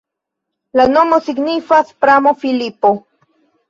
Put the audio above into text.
La nomo signifas pramo-Filipo.